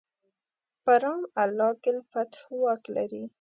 په رام الله کې الفتح واک لري.